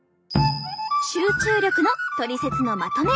集中力のトリセツのまとめ！